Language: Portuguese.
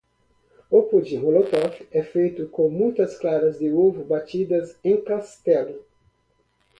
O pudim molotov é feito com muitas claras de ovo batidas em castelo.